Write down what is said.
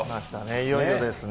いよいよですね。